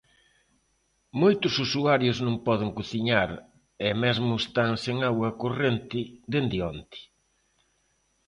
Moitos usuarios non poden cociñar e mesmo están sen auga corrente dende onte.